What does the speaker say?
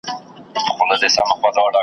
باران د طبیعت رحمت ګڼل کېږي.